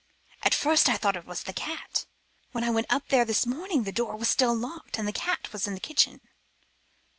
At first I thought it was the cat, but when I went up there this morning the door was still locked, and the cat was in the kitchen."